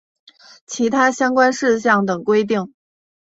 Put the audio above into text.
其他相关事项等规定